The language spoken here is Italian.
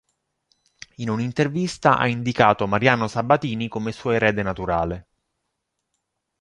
In un'intervista ha indicato Mariano Sabatini come suo erede naturale.